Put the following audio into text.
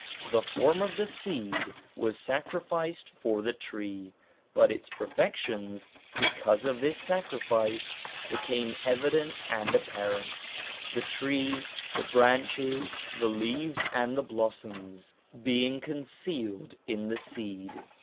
The form of the seed was sacrificed for the tree, but its perfections, because of this sacrifice, became evident and apparent; the tree, the branches, the leaves and the blossoms being concealed in the seed.